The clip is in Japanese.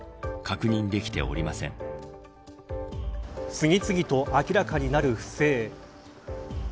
次々と明らかになる不正。